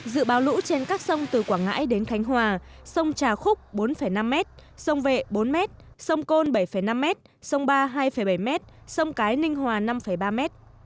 dự báo lũ trên các sông từ quảng ngãi đến khánh hòa sông trà khúc bốn năm m sông vệ bốn m sông côn bảy năm m sông ba hai bảy m sông cái ninh hòa năm ba m